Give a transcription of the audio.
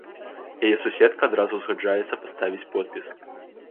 Яе суседка адразу згаджаецца паставіць подпіс.